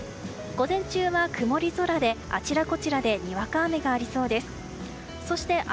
午前中は曇り空であちらこちらでにわか雨がありそうです。